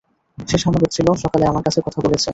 সে স্বাভাবিক ছিল, সকালে আমার সাথে কথা বলেছে।